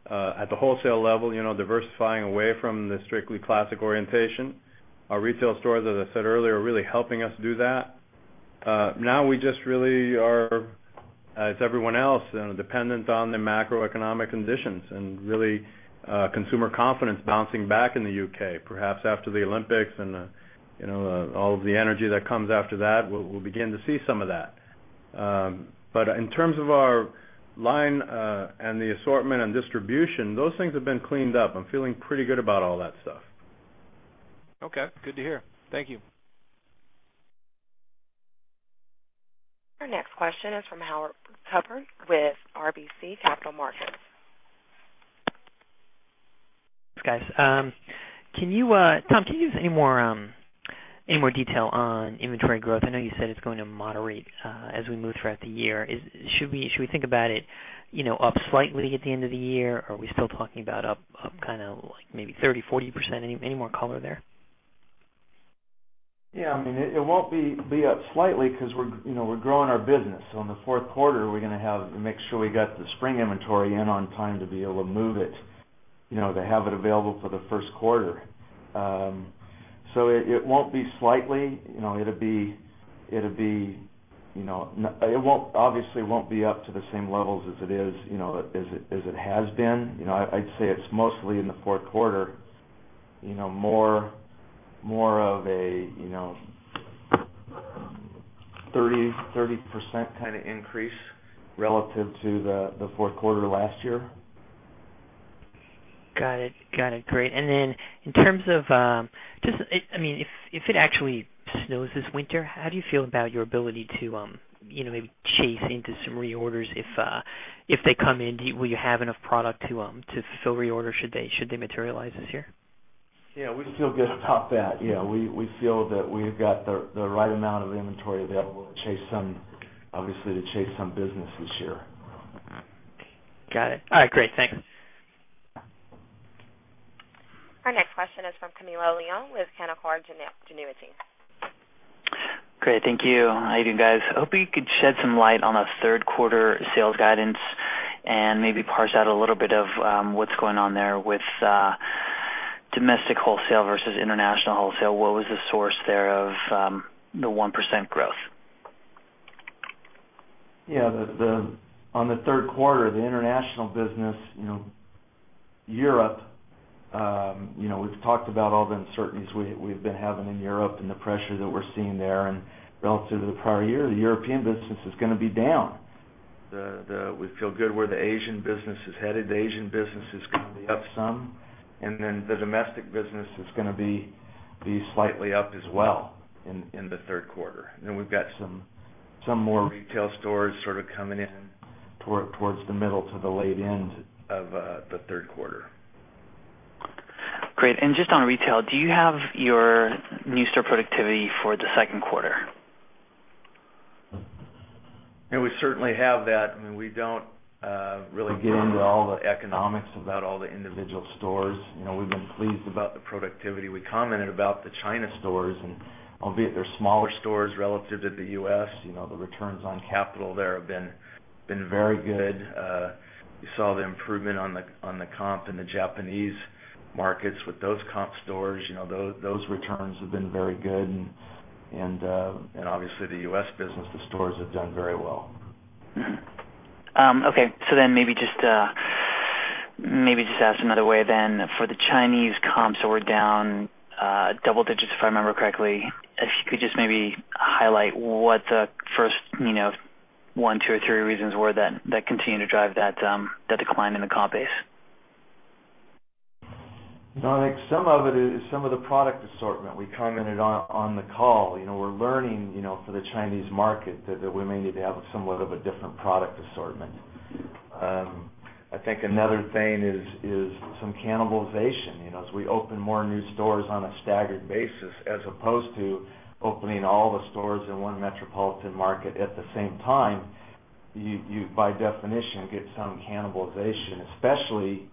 [SPEAKER 2] at the wholesale level, diversifying away from the strictly classic orientation. Our retail stores, as I said earlier, are really helping us do that. Now we just really are, as everyone else, dependent on the macroeconomic conditions and really consumer confidence bouncing back in the U.K. Perhaps after the Olympics and all of the energy that comes after that, we'll begin to see some of that. In terms of our line and the assortment and distribution, those things have been cleaned up. I'm feeling pretty good about all that stuff.
[SPEAKER 7] Okay, good to hear. Thank you.
[SPEAKER 1] Our next question is from Howard Tubin with RBC Capital Markets.
[SPEAKER 8] Thanks, guys. Tom, can you give us any more detail on inventory growth? I know you said it's going to moderate as we move throughout the year. Should we think about it up slightly at the end of the year? Are we still talking about up kind of maybe 30%-40%? Any more color there?
[SPEAKER 3] Yeah, it won't be up slightly because we're growing our business. In the fourth quarter, we're going to have to make sure we got the spring inventory in on time to be able to move it, to have it available for the first quarter. It won't be slightly. Obviously, it won't be up to the same levels as it has been. I'd say it's mostly in the fourth quarter, more of a 30% kind of increase relative to the fourth quarter last year.
[SPEAKER 8] Got it. Great. Then, if it actually snows this winter, how do you feel about your ability to maybe chase into some reorders? If they come in, will you have enough product to fulfill reorders should they materialize this year?
[SPEAKER 3] Yeah, we feel good about that. We feel that we've got the right amount of inventory available, obviously, to chase some business this year.
[SPEAKER 8] Got it. All right, great. Thanks.
[SPEAKER 1] Our next question is from Camilo Lyon with Canaccord Genuity.
[SPEAKER 9] Great, thank you. How are you doing, guys? I hope you could shed some light on the third quarter sales guidance and maybe parse out a little bit of what's going on there with domestic wholesale versus international wholesale. What was the source there of the 1% growth?
[SPEAKER 3] On the third quarter, the international business, Europe, we've talked about all the uncertainties we've been having in Europe and the pressure that we're seeing there. Relative to the prior year, the European business is going to be down. We feel good where the Asian business is headed. The Asian business is going to be up some. The domestic business is going to be slightly up as well in the third quarter. We've got some more retail stores sort of coming in towards the middle to the late end of the third quarter.
[SPEAKER 9] Great. Just on retail, do you have your new store productivity for the second quarter?
[SPEAKER 3] We certainly have that. We don't really get into all the economics about all the individual stores. We've been pleased about the productivity. We commented about the China stores, and albeit they're smaller stores relative to the U.S., the returns on capital there have been very good. You saw the improvement on the comp in the Japanese markets with those comp stores. Those returns have been very good. Obviously, the U.S. business, the stores have done very well.
[SPEAKER 9] Okay. Maybe just ask another way then. For the Chinese comps that were down double digits, if I remember correctly, if you could just maybe highlight what the first one, two or three reasons were that continue to drive that decline in the comp base.
[SPEAKER 2] I think some of it is some of the product assortment. We commented on the call. We're learning, for the Chinese market, that we may need to have somewhat of a different product assortment. I think another thing is some cannibalization. As we open more new stores on a staggered basis as opposed to opening all the stores in one metropolitan market at the same time, you by definition, get some cannibalization, especially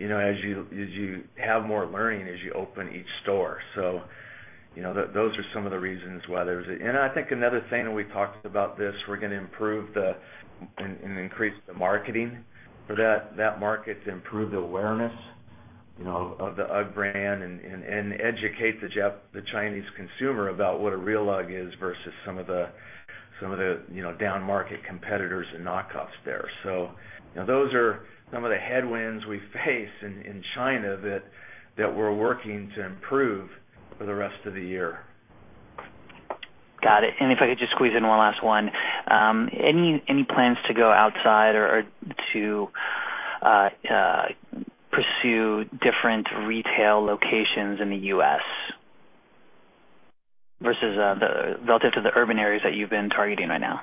[SPEAKER 2] as you have more learning as you open each store. I think another thing, and we talked about this, we're going to improve and increase the marketing for that market to improve the awareness of the UGG brand and educate the Chinese consumer about what a real UGG is versus some of the down-market competitors and knock-offs there. Those are some of the headwinds we face in China that we're working to improve for the rest of the year.
[SPEAKER 9] Got it. If I could just squeeze in one last one. Any plans to go outside or to pursue different retail locations in the U.S. relative to the urban areas that you've been targeting right now?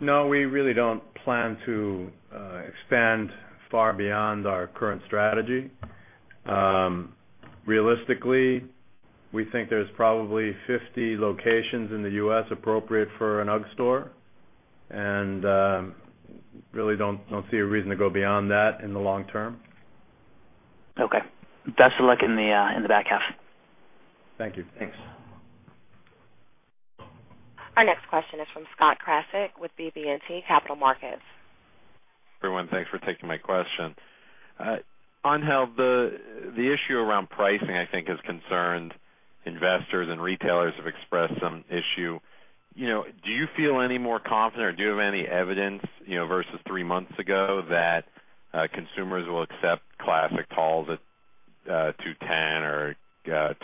[SPEAKER 2] We really don't plan to expand far beyond our current strategy. Realistically, we think there's probably 50 locations in the U.S. appropriate for an UGG store, and really don't see a reason to go beyond that in the long term.
[SPEAKER 9] Okay. Best of luck in the back half.
[SPEAKER 2] Thank you.
[SPEAKER 9] Thanks.
[SPEAKER 1] Our next question is from Scott Krasik with BB&T Capital Markets.
[SPEAKER 10] Everyone, thanks for taking my question. Angel, the issue around pricing, I think, has concerned investors. Retailers have expressed some issue. Do you feel any more confident, or do you have any evidence, versus three months ago, that consumers will accept Classic Talls at $210 or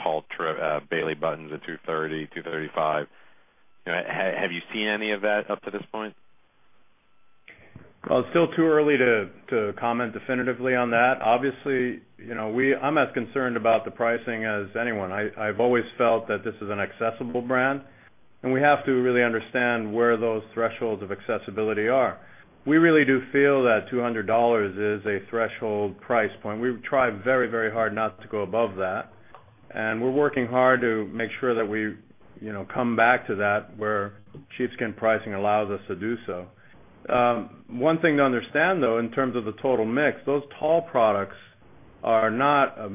[SPEAKER 10] Tall Bailey Buttons at $230, $235? Have you seen any of that up to this point?
[SPEAKER 2] It's still too early to comment definitively on that. Obviously, I'm as concerned about the pricing as anyone. I've always felt that this is an accessible brand, and we have to really understand where those thresholds of accessibility are. We really do feel that $200 is a threshold price point. We've tried very hard not to go above that, and we're working hard to make sure that we come back to that where sheepskin pricing allows us to do so. One thing to understand, though, in terms of the total mix, those Tall products are not a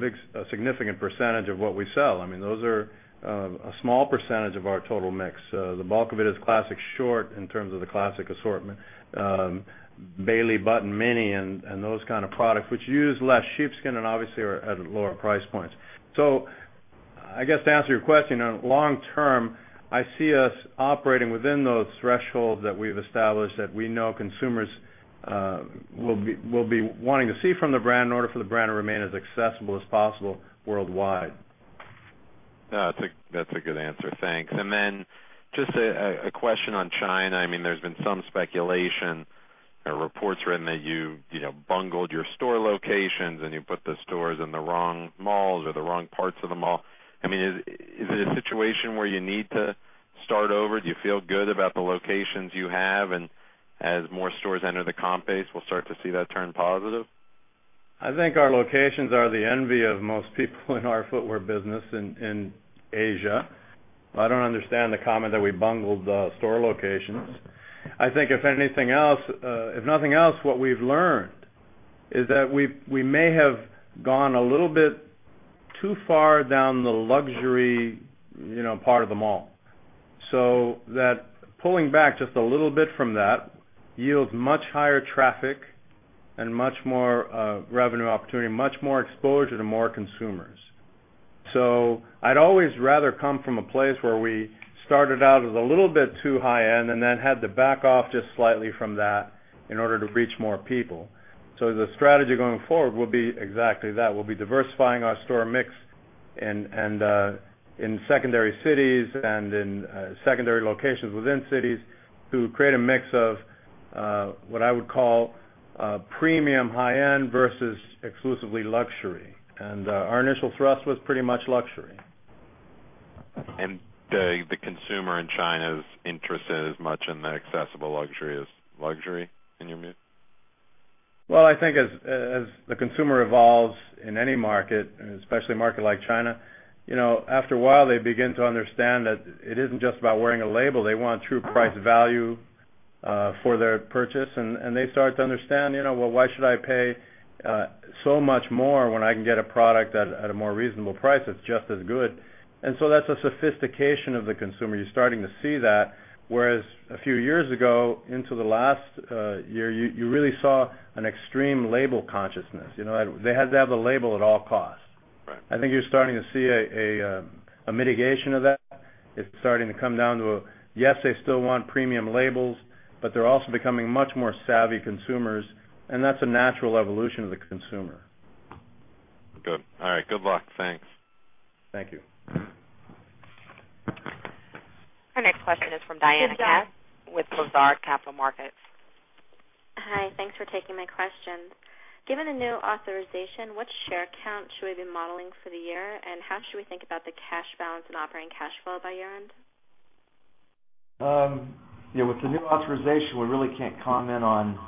[SPEAKER 2] significant percentage of what we sell. Those are a small percentage of our total mix. The bulk of it is Classic Short in terms of the classic assortment. Mini Bailey Button and those kind of products, which use less sheepskin and obviously are at lower price points. I guess to answer your question, long term, I see us operating within those thresholds that we've established that we know consumers will be wanting to see from the brand in order for the brand to remain as accessible as possible worldwide.
[SPEAKER 10] That's a good answer. Thanks. Just a question on China. There's been some speculation or reports written that you bungled your store locations and you put the stores in the wrong malls or the wrong parts of the mall. Is it a situation where you need to start over? Do you feel good about the locations you have, and as more stores enter the comp base, we'll start to see that turn positive?
[SPEAKER 2] I think our locations are the envy of most people in our footwear business in Asia. I don't understand the comment that we bungled the store locations. I think if nothing else, what we've learned is that we may have gone a little bit too far down the luxury part of the mall. That pulling back just a little bit from that yields much higher traffic and much more revenue opportunity, much more exposure to more consumers. I'd always rather come from a place where we started out as a little bit too high-end and then had to back off just slightly from that in order to reach more people. The strategy going forward will be exactly that. We'll be diversifying our store mix in secondary cities and in secondary locations within cities to create a mix of, what I would call, premium high-end versus exclusively luxury. Our initial thrust was pretty much luxury.
[SPEAKER 10] The consumer in China's interest is as much in the accessible luxury as luxury, in your view?
[SPEAKER 2] Well, I think as the consumer evolves in any market, especially a market like China, after a while, they begin to understand that it isn't just about wearing a label. They want true price value for their purchase. They start to understand, "Well, why should I pay so much more when I can get a product at a more reasonable price that's just as good?" That's a sophistication of the consumer. You're starting to see that, whereas a few years ago, into the last year, you really saw an extreme label consciousness. They had to have the label at all costs. Right. I think you're starting to see a mitigation of that. It's starting to come down to, yes, they still want premium labels, they're also becoming much more savvy consumers, that's a natural evolution of the consumer.
[SPEAKER 10] Good. All right. Good luck. Thanks.
[SPEAKER 3] Thank you.
[SPEAKER 1] Our next question is from Diana Katz with Lazard Capital Markets.
[SPEAKER 11] Hi. Thanks for taking my questions. Given the new authorization, what share count should we be modeling for the year and how should we think about the cash balance and operating cash flow by year-end?
[SPEAKER 3] With the new authorization, we really can't comment on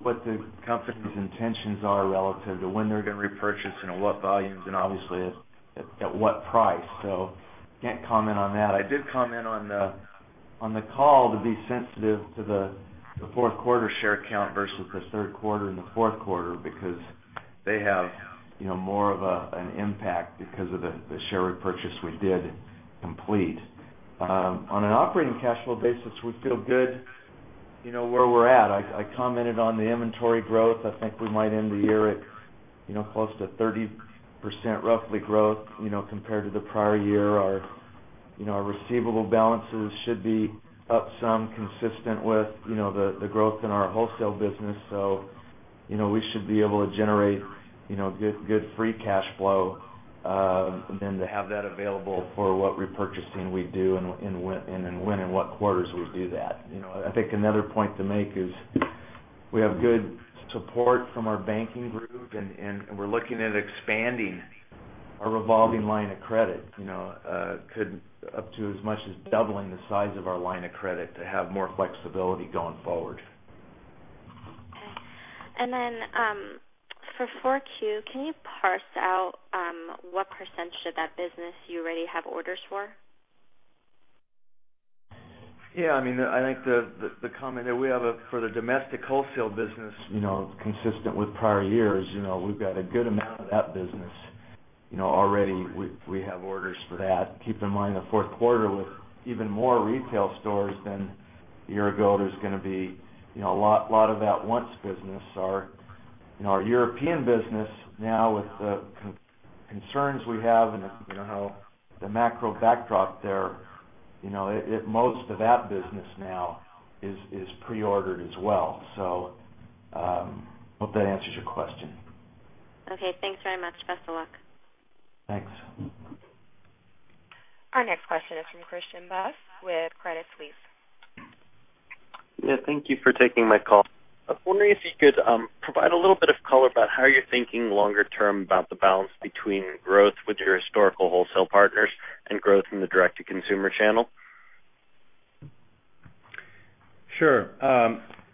[SPEAKER 3] what the company's intentions are relative to when they're going to repurchase and what volumes and obviously at what price. Can't comment on that. I did comment on the call to be sensitive to the fourth quarter share count versus the third quarter and the fourth quarter because they have more of an impact because of the share repurchase we did complete. On an operating cash flow basis, we feel good where we're at. I commented on the inventory growth. I think we might end the year at close to 30% roughly growth, compared to the prior year. Our receivable balances should be up some consistent with the growth in our wholesale business. We should be able to generate good free cash flow, and then to have that available for what repurchasing we do and then when and what quarters we do that. I think another point to make is we have good support from our banking group, and we're looking at expanding our revolving line of credit, up to as much as doubling the size of our line of credit to have more flexibility going forward.
[SPEAKER 11] Okay. For 4Q, can you parse out what % of that business you already have orders for?
[SPEAKER 3] Yeah. I think the comment that we have for the domestic wholesale business, consistent with prior years, we've got a good amount of that business. Already we have orders for that. Keep in mind, the fourth quarter with even more retail stores than a year ago, there's going to be a lot of at-once business. Our European business now with the concerns we have and the macro backdrop there, most of that business now is pre-ordered as well. Hope that answers your question.
[SPEAKER 11] Okay. Thanks very much. Best of luck.
[SPEAKER 3] Thanks.
[SPEAKER 1] Our next question is from Christian Buss with Credit Suisse.
[SPEAKER 12] Yeah. Thank you for taking my call. I was wondering if you could provide a little bit of color about how you're thinking longer term about the balance between growth with your historical wholesale partners and growth in the direct-to-consumer channel.
[SPEAKER 3] Sure.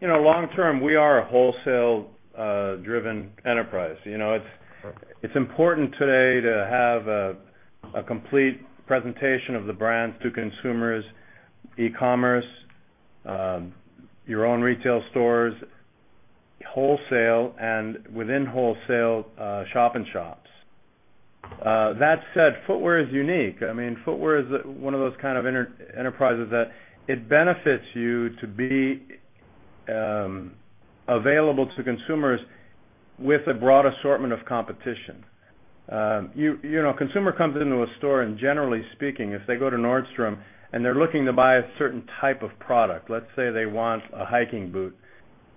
[SPEAKER 3] Long term, we are a wholesale driven enterprise. It's important today to have a complete presentation of the brands to consumers, e-commerce, your own retail stores, wholesale, and within wholesale, shop in shops. That said, footwear is unique. Footwear is one of those kind of enterprises that it benefits you to be available to consumers with a broad assortment of competition. A consumer comes into a store, and generally speaking, if they go to Nordstrom and they're looking to buy a certain type of product, let's say they want a hiking boot.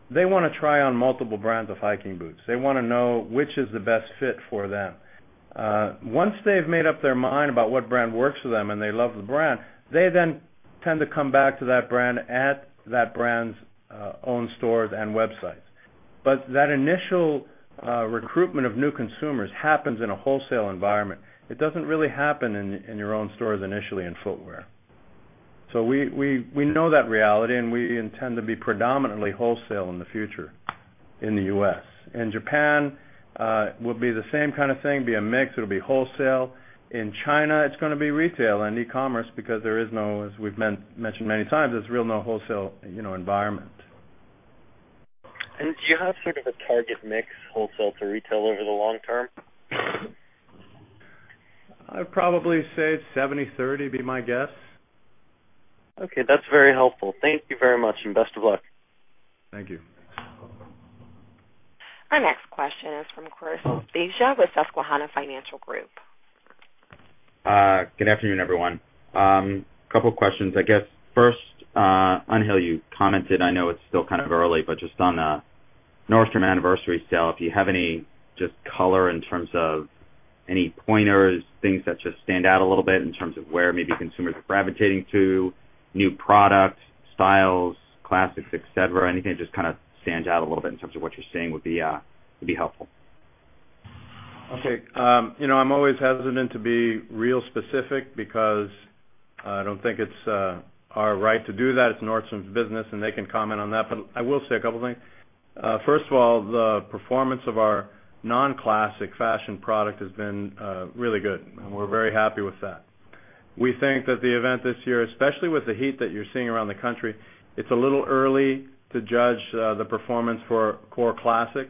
[SPEAKER 3] They want to try on multiple brands of hiking boots. They want to know which is the best fit for them. Once they've made up their mind about what brand works for them and they love the brand, they then tend to come back to that brand at that brand's own stores and websites. That initial recruitment of new consumers happens in a wholesale environment. It doesn't really happen in your own stores initially in footwear. We know that reality, and we intend to be predominantly wholesale in the future in the U.S. In Japan, will be the same kind of thing, be a mix. It'll be wholesale. In China, it's going to be retail and e-commerce because there is no, as we've mentioned many times, there's really no wholesale environment.
[SPEAKER 12] Do you have sort of a target mix wholesale to retail over the long term?
[SPEAKER 3] I'd probably say 70-30, be my guess.
[SPEAKER 12] Okay. That's very helpful. Thank you very much and best of luck.
[SPEAKER 3] Thank you.
[SPEAKER 1] Our next question is from Christopher Svezia with Susquehanna Financial Group.
[SPEAKER 13] Good afternoon, everyone. Couple questions. I guess first, Angel, you commented, I know it's still kind of early, but just on the Nordstrom Anniversary Sale, if you have any just color in terms of any pointers, things that just stand out a little bit in terms of where maybe consumers are gravitating to, new products, styles, classics, et cetera. Anything that just kind of stands out a little bit in terms of what you're seeing would be helpful.
[SPEAKER 2] Okay. I'm always hesitant to be real specific because I don't think it's our right to do that. It's Nordstrom's business, and they can comment on that. I will say a couple of things. First of all, the performance of our non-classic fashion product has been really good, and we're very happy with that. We think that the event this year, especially with the heat that you're seeing around the country, it's a little early to judge the performance for core classic.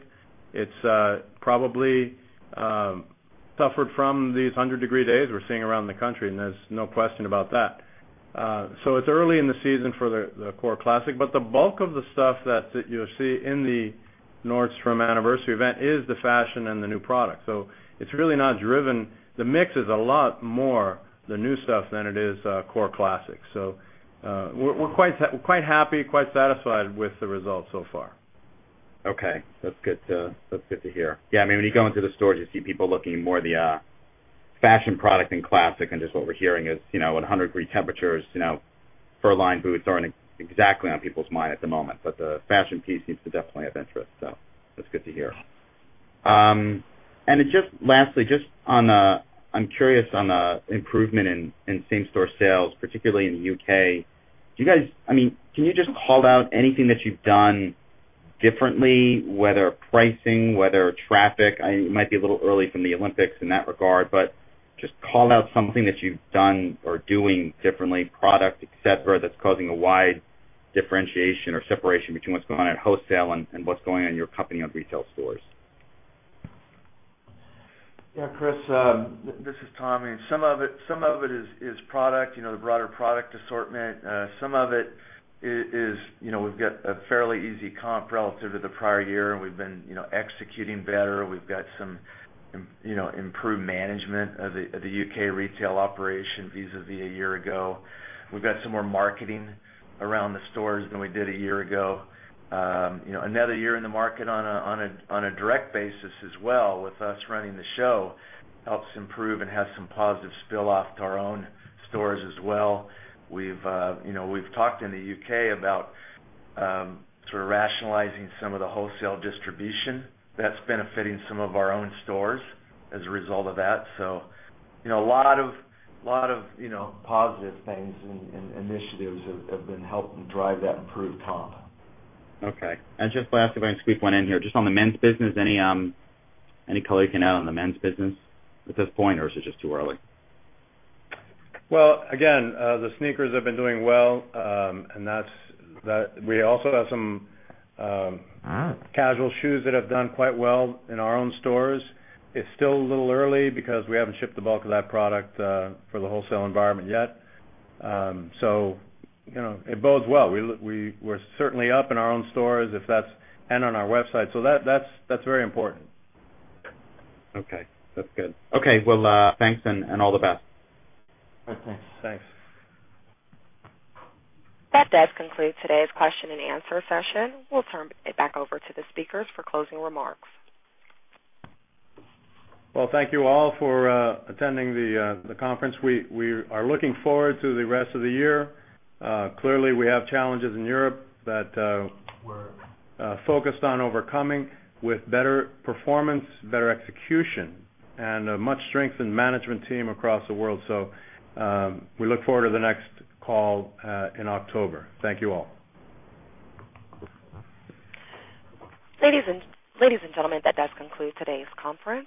[SPEAKER 2] It's probably suffered from these 100-degree days we're seeing around the country, and there's no question about that. It's early in the season for the core classic, but the bulk of the stuff that you'll see in the Nordstrom Anniversary Event is the fashion and the new product. It's really not driven. The mix is a lot more the new stuff than it is core classic. We're quite happy, quite satisfied with the results so far.
[SPEAKER 13] Okay. That's good to hear. Yeah. When you go into the stores, you see people looking more the fashion product than classic. Just what we're hearing is, at 100 degrees temperatures, fur-lined boots aren't exactly on people's mind at the moment, but the fashion piece seems to definitely have interest. That's good to hear. Just lastly, I'm curious on the improvement in same-store sales, particularly in the U.K. Can you just call out anything that you've done differently, whether pricing, whether traffic? It might be a little early from the Olympics in that regard, but just call out something that you've done or doing differently, product, et cetera, that's causing a wide differentiation or separation between what's going on in wholesale and what's going on in your company-owned retail stores.
[SPEAKER 3] Yeah. Christopher, this is Thomas. Some of it is product, the broader product assortment. Some of it is, we've got a fairly easy comp relative to the prior year, we've been executing better. We've got some improved management of the U.K. retail operation vis-a-vis a year ago. We've got some more marketing around the stores than we did a year ago. Another year in the market on a direct basis as well, with us running the show, helps improve and has some positive spill off to our own stores as well. We've talked in the U.K. about sort of rationalizing some of the wholesale distribution that's benefiting some of our own stores as a result of that. A lot of positive things and initiatives have been helping drive that improved comp.
[SPEAKER 13] Okay. Just lastly, if I can squeak one in here, just on the men's business, any color you can add on the men's business at this point, or is it just too early?
[SPEAKER 2] Well, again, the sneakers have been doing well. We also have casual shoes that have done quite well in our own stores. It's still a little early because we haven't shipped the bulk of that product for the wholesale environment yet. It bodes well. We're certainly up in our own stores and on our website. That's very important.
[SPEAKER 13] Okay. That's good. Okay. Well, thanks, and all the best.
[SPEAKER 2] All right. Thanks.
[SPEAKER 1] That does conclude today's question and answer session. We'll turn it back over to the speakers for closing remarks.
[SPEAKER 2] Well, thank you all for attending the conference. We are looking forward to the rest of the year. Clearly, we have challenges in Europe that we're focused on overcoming with better performance, better execution, and a much strengthened management team across the world. We look forward to the next call in October. Thank you all.
[SPEAKER 1] Ladies and gentlemen, that does conclude today's conference.